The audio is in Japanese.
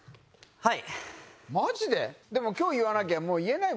はい。